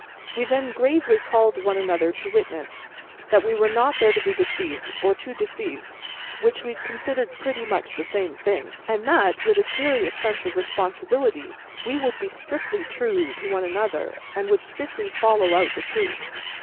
We then gravely called one another to witness, that we were not there to be deceived, or to deceive—which we considered pretty much the same thing—and that, with a serious sense of responsibility, we would be strictly true to one another, and would strictly follow out the truth.